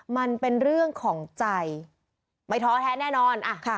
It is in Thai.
มันเป็นเรื่องของใจไม่ท้อแท้แน่นอน